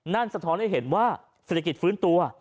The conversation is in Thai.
สะท้อนให้เห็นว่าเศรษฐกิจฟื้นตัว